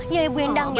iya ibu hendang ya